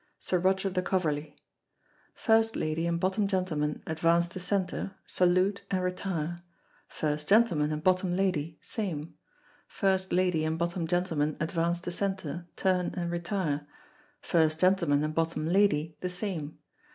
Sir Roger de Coverley. First lady and bottom gentleman advance to centre, salute, and retire; first gentleman and bottom lady, same. First lady and bottom gentleman advance to centre, turn, and retire; first gentleman and bottom lady the same.